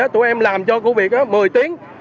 tụi em làm cho goviet một mươi tiếng